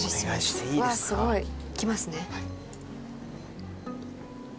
わっすごいいきますね。